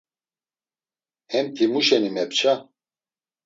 Hemti mu şeni mepça?